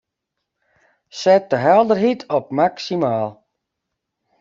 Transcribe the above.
Set de helderheid op maksimaal.